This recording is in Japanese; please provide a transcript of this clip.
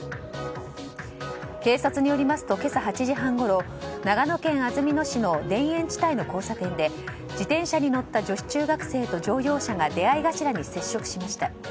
警察によりますと今朝８時半ごろ長野県安曇野市の田園地帯の交差点で自転車に乗った女子中学生と乗用車が出合い頭に衝突しました。